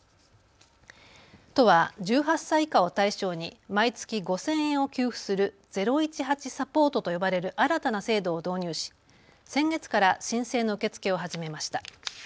都は１８歳以下を対象に毎月５０００円を給付する０１８サポートと呼ばれる新たな制度を導入し、先月から申請の受け付けを始めました。